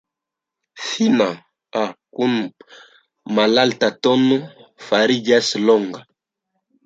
Fina "a" kun malalta tono fariĝas longa.